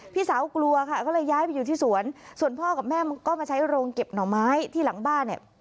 พี่สาวกลัวค่ะก็เลยย้ายไปอยู่ที่สวนส่วนพ่อกับแม่ก็มาใช้โรงเก็บหน่อไม้ที่หลังบ้านเนี่ย